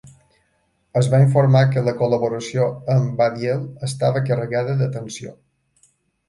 Es va informar que la col·laboració amb Baddiel estava carregada de tensió.